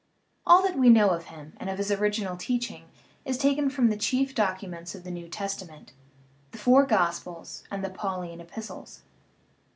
All that we know of him and of his original teaching is taken from the chief documents of the New Testa ment the four gospels and the Pauline epistles.